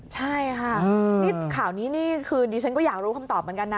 ใช่ค่ะนี่ข่าวนี้นี่คือดิฉันก็อยากรู้คำตอบเหมือนกันนะ